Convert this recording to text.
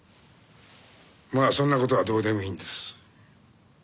まあそんな事はどうでもいいんです。